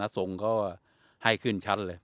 น้าทรงก็ให้ขึ้นชั้นเลย